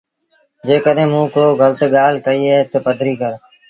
جيڪڏهينٚ موٚنٚ ڪو گلت ڳآل ڪئيٚ اهي تا پدريٚ ڪر۔